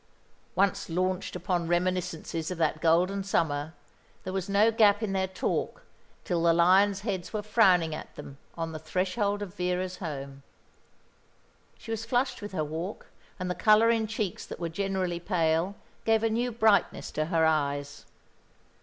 Once launched upon reminiscences of that golden summer there was no gap in their talk till the lions' heads were frowning at them on the threshold of Vera's home. She was flushed with her walk, and the colour in cheeks that were generally pale gave a new brightness to her eyes.